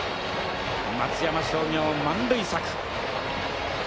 松山商業満塁策。